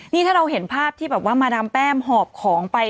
นี่ถ้าเราเห็นภาพที่แบบว่ามาดามแป้งหอบของไป